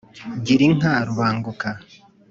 Gira inka Rubanguka